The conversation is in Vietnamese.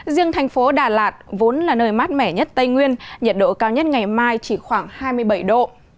riêng thành phố đà lạt vốn là nơi mát mẻ nhất tây nguyên nhiệt độ cao nhất ngày mai chỉ khoảng hai mươi bảy độ